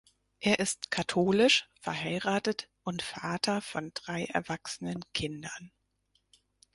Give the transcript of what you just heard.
Er ist katholisch, verheiratet und Vater von drei erwachsenen Kindern.